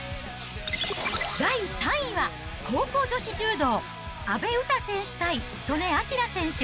第３位は、高校女子柔道、阿部詩選手対素根輝選手。